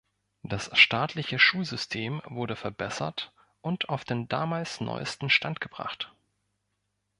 Das staatliche Schulsystem wurde verbessert und auf den damals neuesten Stand gebracht.